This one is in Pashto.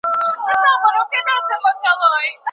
او واه واه به ورته ووایي